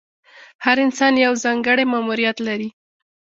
هر انسان یو ځانګړی ماموریت لري.